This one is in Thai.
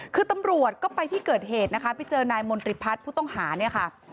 คือตำรวจก็ไปที่เกิดเหตุนะคะไปเจอนายมนตรีพัฒน์ผู้ต้องหาเนี่ยค่ะ